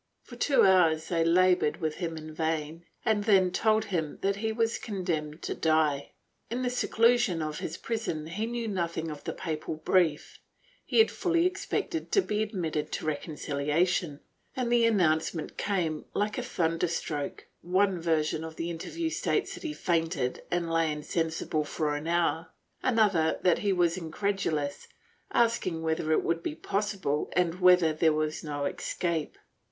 For two hours they labored with him in vain and then told him that he was condemned to die. In the seclusion of his prison he knew nothing of the papal brief; he had fully expected to be admitted to reconciliation, and the announcement came like a thunder stroke— one version of the interview states that he fainted and lay insensible for an hour, another, that he was incredulous, asking whether it could be possible and whether there was no escape.